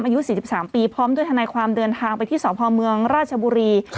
อายุ๔๓ปีพร้อมด้วยทนายความเดินทางไปที่สพเมืองราชบุรี